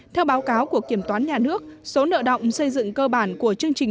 theo báo cáo của kiểm toán nhà nước số nợ động xây dựng cơ bản của chương trình